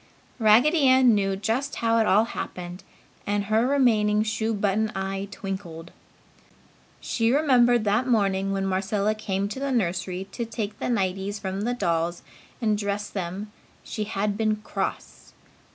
Raggedy Ann knew just how it all happened and her remaining shoe button eye twinkled. She remembered that morning when Marcella came to the nursery to take the nighties from the dolls and dress them she had been cross.